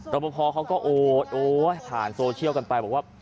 รับพอพอก็โอดผ่านโซเชียลกันไปบอกว่า